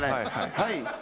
はい。